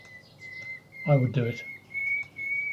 I would do it.